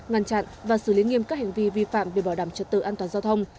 ngăn chặn và xử lý nghiêm các hành vi vi phạm về bảo đảm trật tự an toàn giao thông